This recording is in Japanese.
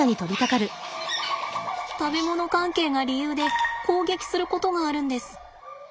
食べ物関係が理由で攻撃することがあるんです。